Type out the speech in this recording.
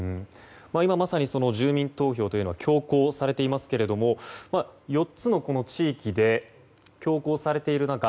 今まさに住民投票が強行されていますが４つの地域で強行されている中